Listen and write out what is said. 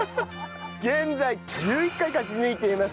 現在１１回勝ち抜いています